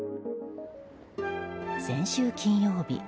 先週金曜日。